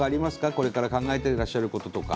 これから考えていらっしゃることとか。